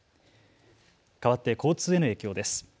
かわって交通への影響です。